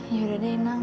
ya udah deh inang